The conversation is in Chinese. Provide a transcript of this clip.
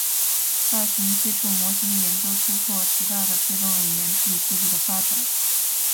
大型基础模型的研究突破，极大地推动了语音处理技术的发展。